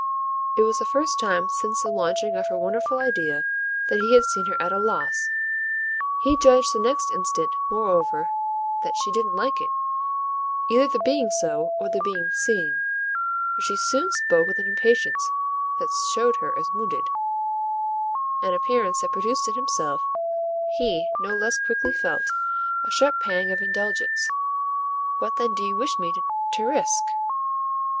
It was the first time since the launching of her wonderful idea that he had seen her at a loss. He judged the next instant moreover that she didn't like it either the being so or the being seen, for she soon spoke with an impatience that showed her as wounded; an appearance that produced in himself, he no less quickly felt, a sharp pang of indulgence. "What then do you wish me to risk?"